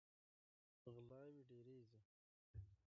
غلاوې ډیریږي.